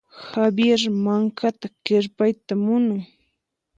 Javier mankata kirpayta munan.